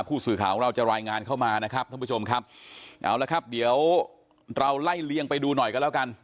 ผู้สื่อข่าวของเราจะรายงานเข้ามานะครับท่านผู้ชมครับเอาละครับเดี๋ยวเราไล่เลียงไปดูหน่อยกันแล้วกัน